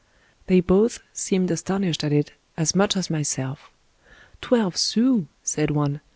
They both seemed astonished at it as much as myself. "Twelve sous," said one.